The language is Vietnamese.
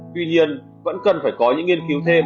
tuy nhiên vẫn cần phải có những nghiên cứu thêm